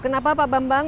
kenapa pak bambang